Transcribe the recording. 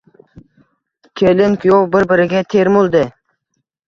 Kelin-kuyov bir-biriga termuldi